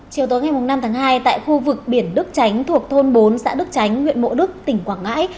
chiều tối ngày năm tháng hai tại khu vực biển đức tránh thuộc thôn bốn xã đức tránh huyện mộ đức tỉnh quảng ngãi